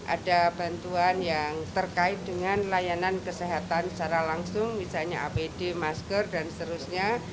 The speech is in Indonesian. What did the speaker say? ada bantuan yang terkait dengan layanan kesehatan secara langsung misalnya apd masker dan seterusnya